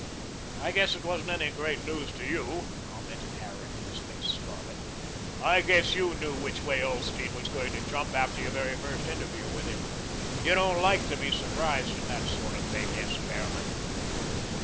"I guess it wasn't any great news to YOU," commented Harran, his face scarlet. "I guess you knew which way Ulsteen was going to jump after your very first interview with him. You don't like to be surprised in this sort of thing, S. Behrman."